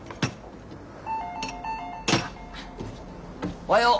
・おはよう！